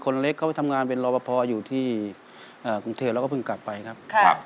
เล็กเขาไปทำงานเป็นรอปภอยู่ที่กรุงเทพแล้วก็เพิ่งกลับไปครับ